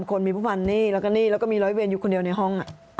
คนมีผู้พันหนี้แล้วก็หนี้แล้วก็มีร้อยเวรอยู่คนเดียวในห้อง